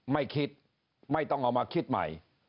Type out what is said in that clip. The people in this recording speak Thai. ไม่คิดไม่ต้องเอามาคิดใหม่